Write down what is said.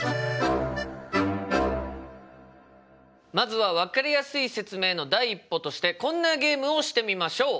まずは分かりやすい説明の第一歩としてこんなゲームをしてみましょう！